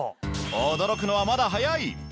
驚くのはまだ早い！